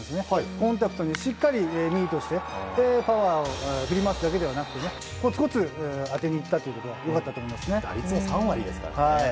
コンパクトにしっかりミートしてパワーを振り回すだけではなくコツコツ当てにいったことが打率も３割ですから。